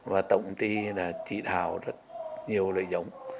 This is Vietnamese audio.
và tổng ty đã trị thảo rất nhiều lợi dụng